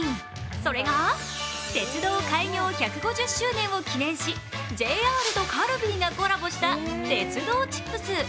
それが、鉄道開業１５０周年を記念しＪＲとカルビーがコラボした鉄道チップス。